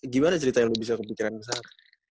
gimana cerita yang lo bisa kepikiran besar